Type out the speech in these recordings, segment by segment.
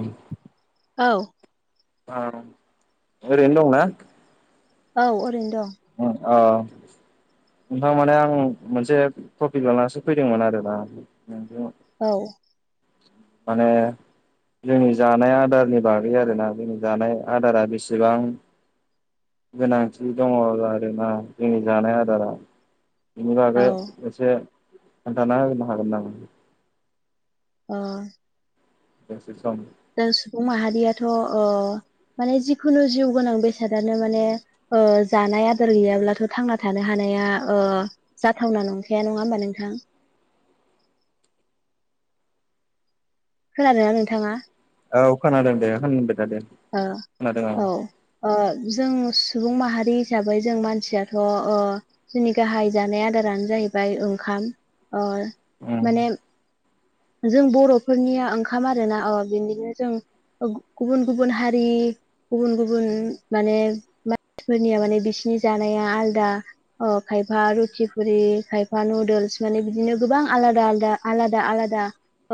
औं [unintelligible] औ औ ओरैनो दंना औ ओरैनो दं औ नोंथां माने आं मोनसे टपिक लानानैसो फैदोंमोन आरोना नों औ माने जोंनि जानाय आदारनि बागै आरोना जोंनि जानाय आदारा बेसेबां गोनांथि दंङ आरोना जोंनि जानाय आदारा जेनेवा औ बे एसे खोन्थाना होनो हागोन नामा अ दसै स दा सुबुं माहारियाथ' माने जिखुनु जिउ गोनां बेसादानो माने जानाय आदार गैयाब्लाथ' थांना थानो हानाय जाथावना नंखाया नङा होनबा नोंथां खोनादोना नोंथाङा औ खोनादों दे खोनादो औ औ ओ जों सुबुं माहारि हिसाबै जों मानसियाथ' जोंनि गाहाय जानाय आदारानो जाहैबाय ओंखाम अ औ माने जों बर'फोरनिया ओंखाम आरोना बिनिनो जों गुबुन गुबुन हारि गुबुन गुबुन माने फोरनिया माने बिसिनि जानाया आलदा ओ खायफा रुटिफुरि खायफा नुदोल्स माने बिदिनो गोबां आलादा आदा आलादा आलादा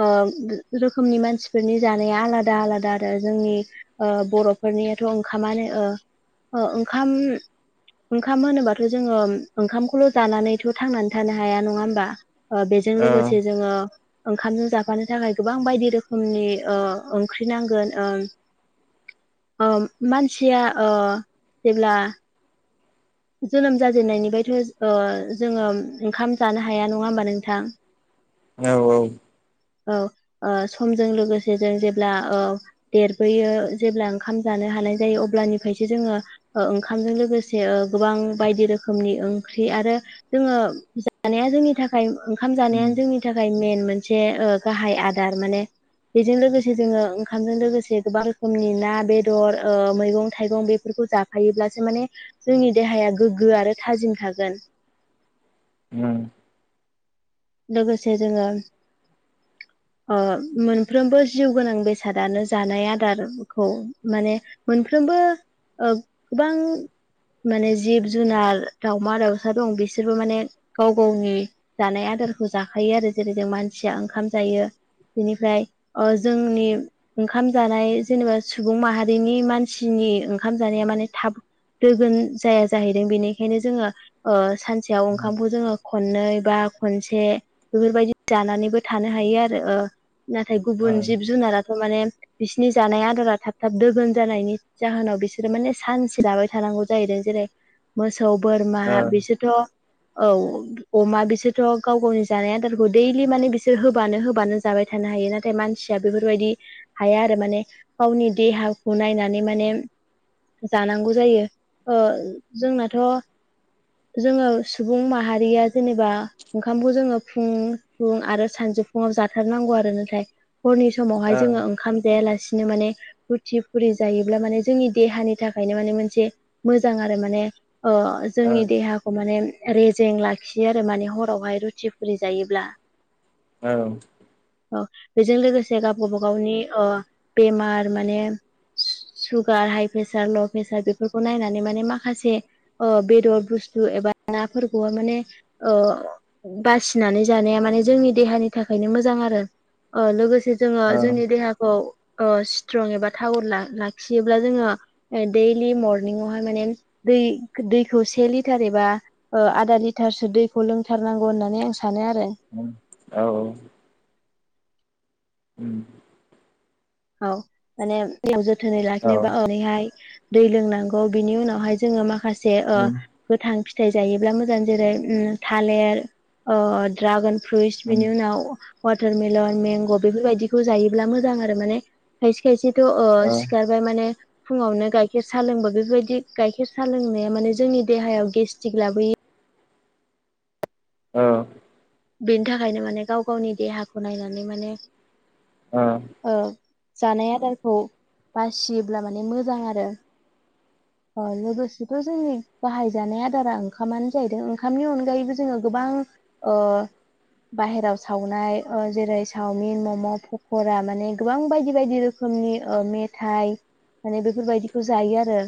ओ रोखोमनि मानसिफोरनि जानाया आलादा आलादा आरो जोंनि बर'फोरनियाथ' ओंखामानो ओंखाम ओंखाम होनोबाथ' जोङो ओंखामखौल' जानानैथ' थांनानै थानो हाया नङा होमबा बे बे औ लोगोसे जोङो ओंखामजों जाफानो थाखाय गोबां बायदि रोखोमनि ओंख नांगोन। ओम मानसिया जेब्ला जोनोम जाजेननायनिफ्रायथ' जोङो ओंखाम जानो हाया नङा होमबा नोंथां। औ औ। औ समजों लोगोसे जों जेब्ला औ देरबोयो जेब्ला ओंखाम जानो। हानाय जायो अब्लानिफ्रायसो जोङो ओंखामजों लोगोसे। गोबां बायदि रोखोमनि ओंख्रि आरो जोङो जानाया जोंनि थाखाय ओंखाम जानाया। जोंनि थाखाय मेन मोनसे गाहाय आदार माने बेजों लोगोसे जोङो ओंखामजों लोगोसे गोबां रोखोमनि ना बेदर मैगं थाइगं बेफोरखौ। जायोब्लासो माने जोंनि देहाया गोग्गो आरो थाजिम थागोन। उम। लोगोसे जोङो। [unintelligible] मोनफ्रोमबो जिउ गोनां बेसादानो जानाय आदारखौ माने मोनफ्रोम। [unintelligible] गोबां। माने जिब जुनार दाावमा दाउसा दं बिसोरबो माने गाव गावनि जानाय आदार। खौ जाखायो आरो जेरै जों मानसिया ओंखाम जायो। बेनिफ्राय ओ जोंनि ओंखाम जानाय जेनेबा सुबुं माहारिनि मानसिनि ए ओंखाम जानाया माने थाब दोजोन जाया जाहैदों बेनिखायनो जोंङो ओ सानसेयाव ओंखामखौ जोंङो खननै बा खनसे से बेफोरबायदि जानानैबो थानो हायो आरो ओ। नाथाय औ गुबुन जिब जुनाराथ' माने बिसोरनि जानाय आदारा थाब थाब दोगोन जानायनि जाहोनाव बिसोरो माने सानसे जाबाय थानांगौ जाहैदों जेरै मोसौ बोरमा बिसोरथ' औ अमा बिसोरथ' गाव गावनि जानाय आदारखौ दैलि माने बिसोर होबानो होबानो जाबाय थानो हायो नाथाय मानसिया बेफोरबायदि। हाया आरो माने गावनि देहाखौ नायनानै माने जानांगौ जायो ओ जोंनाथ' जोंङो सुबुं माहारिया जेनेबा ओंखामखौ जोंङो फुं फुं आरो सानजौफुुंआव जाथारनांगौ आरो नाथाय हरनि औ समावहाय जोंङो ओंखाम जायालासे बिदिनो माने रुथि फुरि जायोब्ला माने जोंनि देहानि थाखायनो माने मोनसे मोजां आरो माने ओ जोंनि देहाखौ माने रेजें लाखियो आरो माने हर बावहाय रुथि फुरि जायोब्ला। औ। औ बेजों लोगोसे गाव गावबागावनि बेमार माने सुगार हाइ प्रेसार ल प्रेसार बेफोरखौ नायनानै माने माखासे ओ बेदर बुस्थु एबा नाफोरखौहाय माने ओ बासिनानै जानाया माने जोंनि देहानि थाखायनो मोजां आरो अ लोगोसे जोंङो औ जोंनि देहाखौ ओ सिट्रं एबा थागद लाखियोब्ला जोंङो दैलि मरनिंआवहाय माने दै दैखौ से लिटार एबा ओ आदा लिटार दैखौ लों थारनांगौ होननानै आं सानो आरो। औ औ औ औ औ। औ माने बेयाव जोथोनै लाखिनोबा ओरैहाय दै लोंनांगौ बिनि उनावहाय जोंङो माखासे ओ गोथां फिथाइ जायोब्ला मोजां जेरै उम थालिर ओ ड्रागन फ्रुइट्स बिनि उनाव वाटारमेलन मेंग' बेफोरबायदिखौ जायोब्ला मोजां। आरो माने खायसे खायसेथ' ओ सिखारबाय माने फुंङावनो गायखेर सा लोंबा बेफोरबायदि गाइखेर सा लोंनाया माने जोंनि देहायाव गेस्ट्रिक लाबोयो। औ। बेनि थाखायनो माने गाव गावनि देहाखौ नायनानै माने। ओं। ओ जानाय आदारखौ बासियोब्ला माने मोजां आरो। ओ लोगोसेथ' जोंनि गाहाय जानाय आदारा ओंखामानो जाहैदों ओंखामनि अनगायैबो जोंङो गोबां ओ। बाहेराव सावनाय जेरै सावमिन मम' पक'रा माने गोबां बायदि बायदि रोखोम। रोखोमनि ओ मेथाइ माने बेफोरबायदिखौ जायो आरो।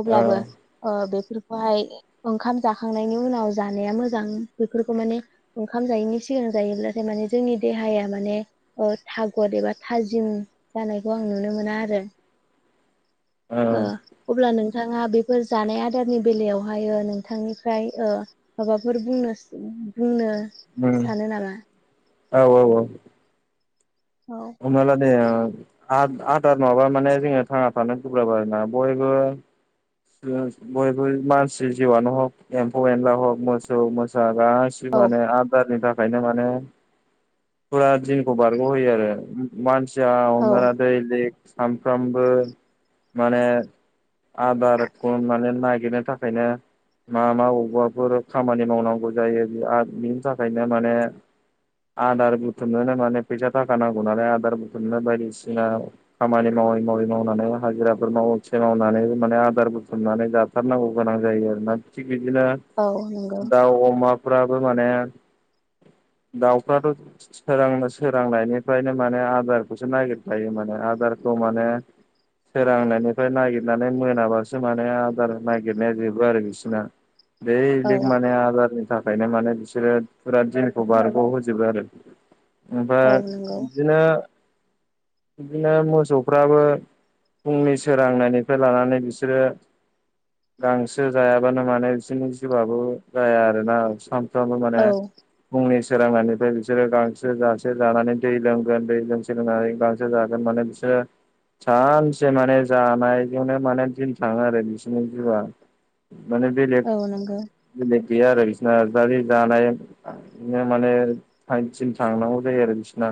अब्लाबो ओ बे बेफोरखौहाय ओंखाम जाखांनायनि उनाव जानाया मोजां बेफोरखौ माने ओंखाम जायैनि सिग सिगां जायोब्लाथाय माने जोंनि देहाया माने ओ थागद एबा थाजिम जानायखौ आं नु नुनो मोना आरो। औ। ओ अब्ला नोंथाङा बेफोर जानाय आदारनि बेलायावहायो नोंथांनिफ्राय ओ माबाफोर बुंनो बुंनो उम सानो नामा? औ औ औ। औ हमनाला दे ओ आ-आदार नंङाबा माने जोंङो थांना थानो गोब्राब आरोना बयबो बयबो मानसि जिउआनो हक एम्फौ एनला हग मोसौ मोसा। गसि माने आदारनि थाखाय। बायदों माने फुरा दिनखौ बारग होयो आरो मानसि। जोंहा‌ औ हमना ला दै लिग सानफ्रामबो माने आदार। गन माने नागिरनो थाखायनो। मा मा बबेबाफोर खामानि मावनांगौ जायो बिनि थाखायनो माने। आदार बुथुमनोनो माने फैसा थाखा नांगौ नालाय आदार बुथुमनो बायदिसिना खामानि माव। मावै मावै मावनानै हाजिराफोर मावसे मावनानै माने आदार। बुथुमनानै जाथारनांगौ गोनां जायो आरोना थि बिदिनो औ नंगौ दाउ अमा। फ्राबो माने। दाउफ्राथ' सोरांनो सोरांनायनिफ्रायनो माने आदारखौसो नागिरखायो माने आदारखौ माने सोरांनायनिफ्राय नागिरनानै मोनाबासो। माने आदार नागिरनाया जोबो आरो बिसोरना बे औ लेग माने आदारनि। थाखायनो माने बिसोरो फुरा दिनखौ बारग होजोबो आरो। औ ओमफ्राय नंगौ बिदिनो। बिदिनो मोसौफ्राबो फुंनि सोरांनायनिफ्राय लानानै बिसोर। द्रे। गांसो जायाबानो माने बिसोरनि जिबआबो जाया आरोना साम। माने औ बुंनि। सोरांनायनिफ्राय बिसोरो गांसो जासे जानानै दै लोंगोन दै लोंसोलोंनानै गांसो जागोन माननानै बिसोरो। सानसे माने जानायजोंनो माने दिन। थाङो आरो बिसोरनि जआ माने बेलेग औ नंगौ बेले। गैया आरो बिसना [unintelligible] जानाय। बिदिनो माने थाइ थन थांनांगौ जायो आरो बिसना।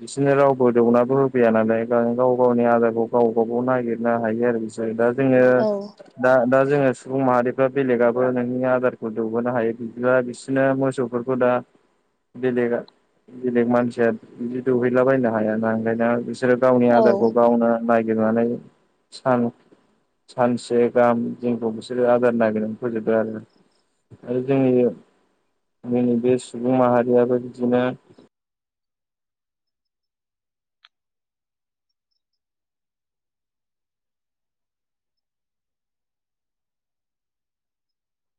बिसिनो रावबो दौनाबो होफैया नालाय गाव गावनि आदारखौ गाव गागाव नागिरनो हायो आरो। दा जोङो औ दा दा। जोङो सुबुं माहारिफ्रा बेलेगाबो नोंनि आदारखौ दौबोनो हायो बिदिबा बिसोरनो मोसौफोरखौ दा बेलेगा बेलेग मानसिया बिदि दौहैलाबायनो हाया ना [unintelligible] बिसोरो गावनि औ आदारखौ गावनो नायगिरनानै सान सानसे गाहाम जोंखौ बिसोरो आदार नागिरनानै फोजोबदो आरो आरो जोंनि जोंनि बे सुबुं माहारियाबो बिदिनो।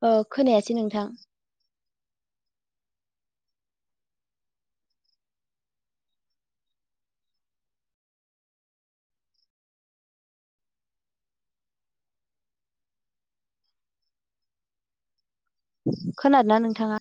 औ खोनायासै नोंथां। खोनादों ना नोंथाङा?